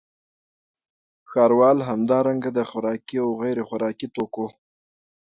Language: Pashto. ښاروال همدارنګه د خوراکي او غیرخوراکي توکو